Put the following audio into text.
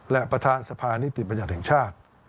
และประธานสภานิติบัญญัติแห่งชาติ